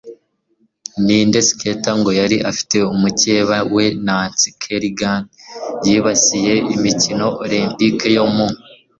Ninde Skater ngo yari afite mukeba we Nancy Kerrigan yibasiye imikino Olempike yo mu